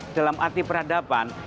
dalam arti peradaban